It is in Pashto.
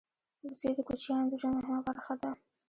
وزې د کوچیانو د ژوند مهمه برخه ده